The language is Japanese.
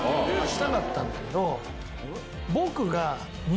したかったけど。